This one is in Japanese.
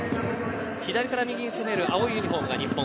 左から右に攻める青いユニホームが日本。